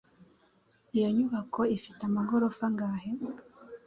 Iyo nyubako ifite amagorofa angahe?